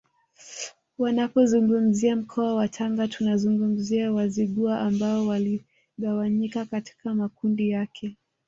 Tunapozungumzia mkoa wa Tanga tunazungumzia Wazigua ambao waligawanyika katika makundi yake